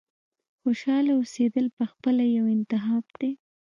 • خوشحاله اوسېدل پخپله یو انتخاب دی.